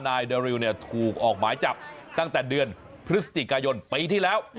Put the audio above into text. นายเดริวถูกออกหมายจับตั้งแต่เดือนพฤศจิกายนปีที่แล้ว